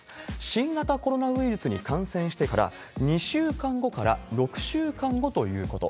新型コロナウイルスに感染してから２週間後から６週間後ということ。